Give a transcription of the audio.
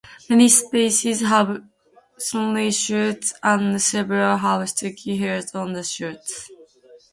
Many species have thorny shoots, and several have sticky hairs on the shoots.